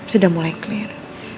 sudah mulai clear